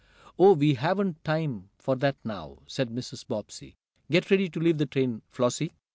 "Oh, we haven't time for that now," said Mrs. Bobbsey. "Get ready to leave the train, Flossie."